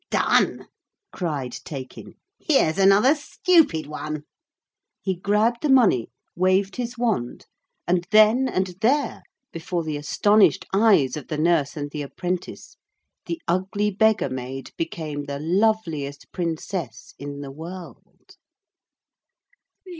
'Done,' cried Taykin. 'Here's another stupid one!' He grabbed the money, waved his wand, and then and there before the astonished eyes of the nurse and the apprentice the ugly beggar maid became the loveliest princess in the world.